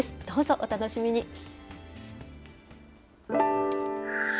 どうぞお楽しみに。